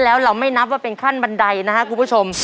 แล้วเราไม่นับว่าเป็นขั้นบันไดนะครับคุณผู้ชม